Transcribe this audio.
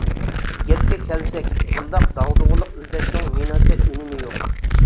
گەپكە كەلسەك، بۇنداق داغدۇغىلىق ئىزدەشنىڭ مېنىڭچە ئۈنۈمى يوق.